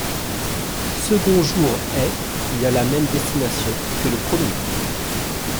Second jour est, il a la même destination que le premier.